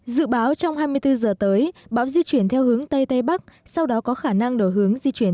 dự báo trong hai mươi bốn giờ tới bão di chuyển theo hướng tây tây bắc sau đó có khả năng đổi hướng di chuyển